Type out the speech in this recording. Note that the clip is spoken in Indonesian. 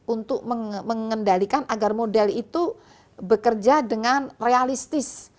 untuk mengendalikan agar model itu bekerja dengan realistis